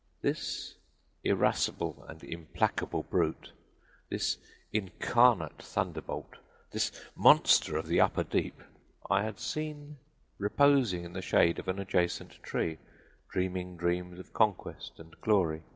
This irascible and implacable brute this incarnate thunderbolt this monster of the upper deep, I had seen reposing in the shade of an adjacent tree, dreaming dreams of conquest and glory.